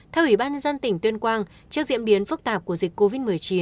theo ủy ban nhân dân tỉnh tuyên quang trước diễn biến phức tạp của dịch covid một mươi chín